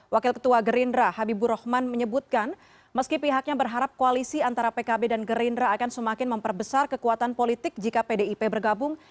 wakil ketua gerindra habibur rahman menyebutkan meski pihaknya berharap koalisi antara pkb dan gerindra akan semakin memperbesar kekuatan politik jika pdip bergabung